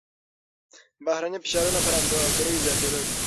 بهرني فشارونه پر امپراتورۍ زياتېدل.